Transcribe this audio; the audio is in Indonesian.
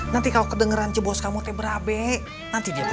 nanti kalo kedengeran bos kamu berlalu